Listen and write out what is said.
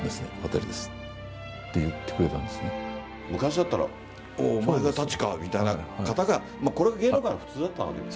舘君ですね、昔だったら、おう、お前が舘かみたいな方が、芸能界の普通だったわけですよね。